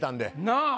なあ。